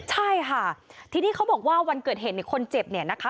ใช่ค่ะทีนี้เขาบอกว่าวันเกิดเหตุในคนเจ็บเนี่ยนะคะ